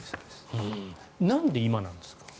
なんで今なんですか？